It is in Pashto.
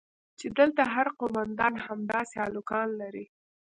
چې دلته هر قومندان همداسې هلکان لري.